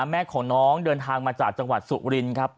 แม่ของน้องเดินทางมาจากจังหวัดสุรินครับ